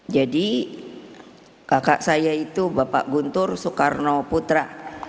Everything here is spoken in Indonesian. jadi kakak saya itu bapak guntur soekarno putra